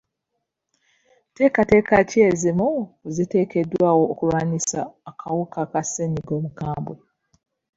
Nteekateeka ki ezimu ku ziteekeddwawo okulwanyisa akawuka ka ssenyiga omukambwe?